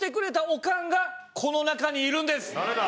誰だ？